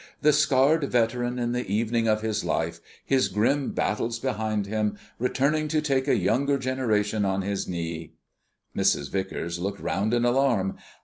"The scarred veteran in the evening of his life, his grim battles behind him, returning to take a younger generation on his knee " Mrs. Vicars looked round in alarm.